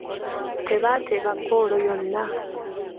Tebaateeba ggoolo yonna.